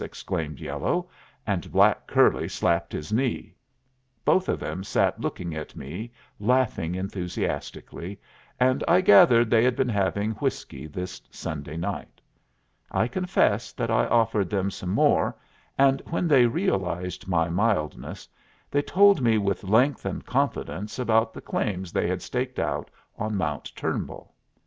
exclaimed yellow, and black curly slapped his knee. Both of them sat looking at me, laughing enthusiastically, and I gathered they had been having whiskey this Sunday night. I confess that I offered them some more, and when they realized my mildness they told me with length and confidence about the claims they had staked out on Mount Turnbull.